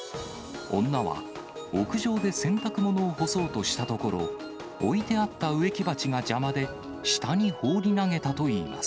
女は、屋上で洗濯物を干そうとしたところ、置いてあった植木鉢が邪魔で、下に放り投げたといいます。